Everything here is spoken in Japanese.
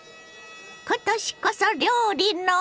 今年こそ料理の。